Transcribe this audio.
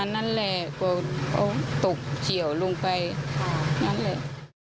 อ๋อนั่นแหละก็ตกเฉียวลงไปนั่นแหละ